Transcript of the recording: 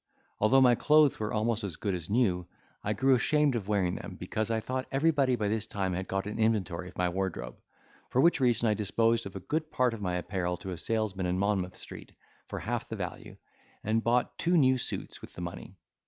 Although my clothes were almost as good as new, I grew ashamed of wearing them, because I thought everybody by this time had got an inventory of my wardrobe. For which reason I disposed of a good part of my apparel to a salesman in Monmouth Street for half the value, and bought two new suits with the money.